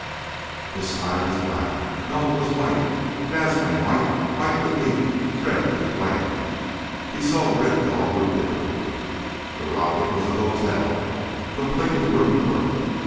The sky was black. No, it was white, dazzling white, white with heat, red with flame. He saw Red Dog with difficulty. The rocket was a hotel, complete with room clerk.